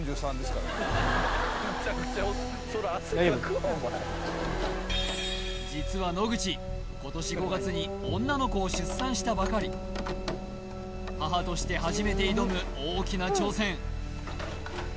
うん実は野口今年５月に女の子を出産したばかり母として初めて挑む大きな挑戦